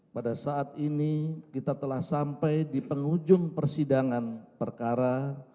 pada saat ini kita telah sampai di penghujung persidangan perkara